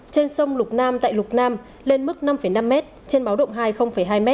trên sông lục nam tại lục nam lên mức năm năm m trên báo động hai hai m